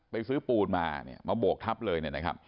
ไปซื้อปูนมามาโบกทับเลย